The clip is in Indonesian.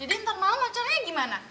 jadi ntar malam acaranya gimana